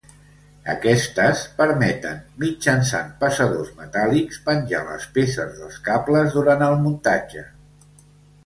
Aquestes permeten, mitjançant passadors metàl·lics, penjar les peces dels cables durant el muntatge.